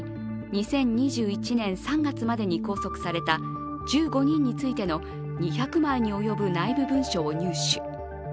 ２０２１年３月までに拘束された１５人についての２００枚に及ぶ内部文書を入手。